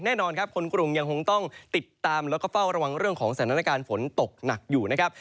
แน่นอนครับคนกรุงยังคงต้องติดตามแล้วก็เฝ้าระวังเรื่องของสถานการณ์ฝนตกหนักอยู่นะครับ